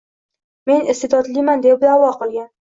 Men iste’dodliman deb da’vo qilgan.